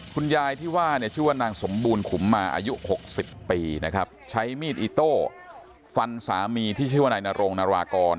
คุณยายที่ว่าชื่อนางสมบูรณ์ขุมมาอายุหกสิบปีนะครับใช้มีดอิโต้ฟันสามีที่ชื่อว่าในนรงนรากร